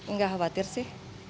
nggak khawatir sih